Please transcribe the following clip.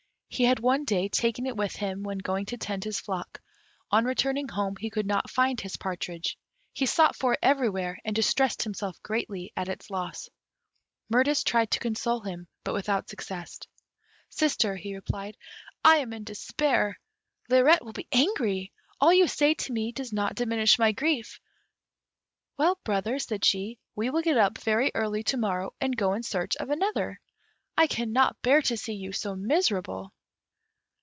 He had one day taken it with him when going to tend his flock; on returning home he could not find his partridge; he sought for it everywhere, and distressed himself greatly at its loss. Mirtis tried to console him, but without success. "Sister," he replied, "I am in despair. Lirette will be angry; all you say to me does not diminish my grief." "Well, brother," said she, "we will get up very early to morrow and go in search of another; I cannot bear to see you so miserable."